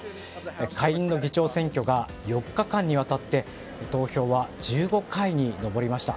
下院の議長選挙が４日間にわたって投票は１５回に上りました。